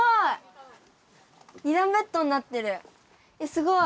すごい！